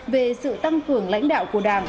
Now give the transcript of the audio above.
về sự tăng cường lãnh đạo của đảng